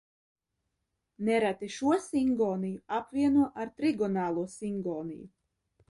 Nereti šo singoniju apvieno ar trigonālo singoniju.